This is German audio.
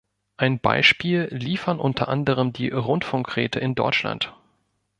Ein Beispiel liefern unter anderem die Rundfunkräte in Deutschland.